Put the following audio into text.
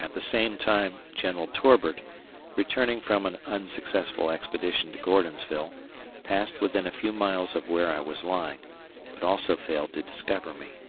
At the same time General Torbert, returning from an unsuccessful expedition to Gordonsville, passed within a few miles of where I was lying, but also failed to discover me.